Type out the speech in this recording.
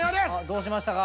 どうしましたか？